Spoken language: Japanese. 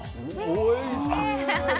おいしい。